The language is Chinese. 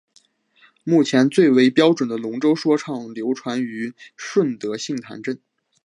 目前最为标准的龙舟说唱流传于顺德杏坛镇。